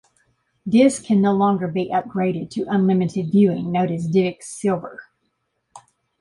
Discs can no longer be upgraded to unlimited viewing, known as Divx Silver.